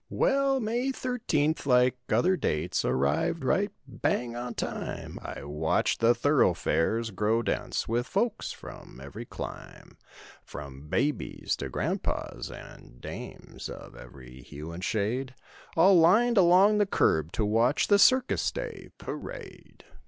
28 Well, May thirteenth, like other dates. Arrived right bang on time, I watched the thoroughfares grow dense With folks from every clime; From babies to grand pas and dames. Of every hue and shade. All lined along the curb to watch The "Circus Day parade."